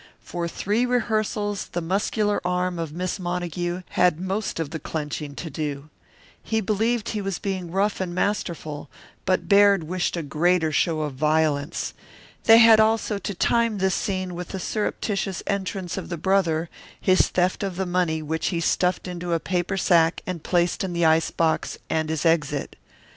For three rehearsals the muscular arm of Miss Montague had most of the clenching to do. He believed he was being rough and masterful, but Baird wished a greater show of violence. They had also to time this scene with the surreptitious entrance of the brother, his theft of the money which he stuffed into a paper sack and placed in the ice box, and his exit.